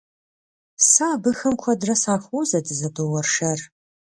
Сэ абыхэм куэдрэ сахуозэ, дызэдоуэршэр.